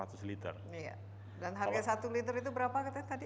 terus dan harga satu liter itu berapa katanya tadi